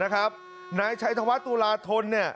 นะครับนายชัยธวัฒน์ตุลาธนเนี่ย